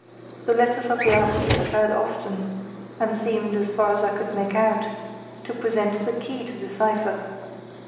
The letters of the alphabet recurred often, and seemed, as far as I could make out, to represent the key to the cipher.